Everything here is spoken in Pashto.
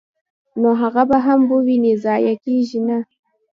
نو هغه به هم وويني، ضائع کيږي نه!!.